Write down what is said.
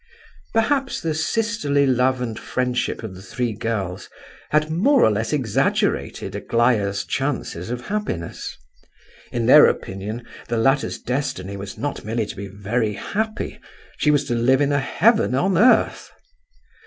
Perhaps the sisterly love and friendship of the three girls had more or less exaggerated Aglaya's chances of happiness. In their opinion, the latter's destiny was not merely to be very happy; she was to live in a heaven on earth.